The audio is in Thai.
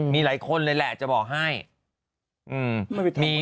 มีหลายคนเลยแหละจะบอกให้